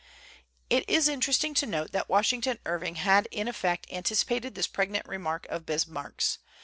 It is interesting to note that Washington Irving had in effect anticipated this pregnant remark of Bismarck's.